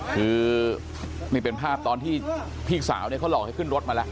คือนี่เป็นภาพตอนที่พี่สาวเนี่ยเขาหลอกให้ขึ้นรถมาแล้ว